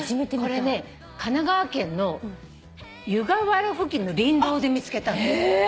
これね神奈川県の湯河原付近の林道で見つけたんだって。